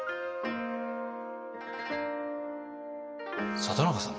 里中さん